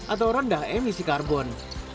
atau rendah emisi karbon